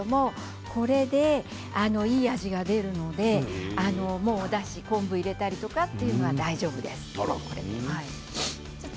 これで、いい味が出るので昆布入れたりとかということは大丈夫です。